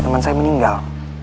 teman saya meninggal